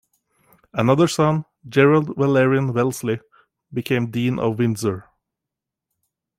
Another son, Gerald Valerian Wellesley, became Dean of Windsor.